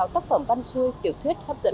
sáu tác phẩm văn xuôi tiểu thuyết hấp dẫn